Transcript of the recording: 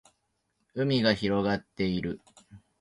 海が広がっている